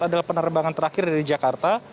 adalah penerbangan terakhir dari jakarta